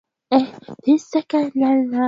rose hakuzingatiwa kama mtoto kwenye uokoaji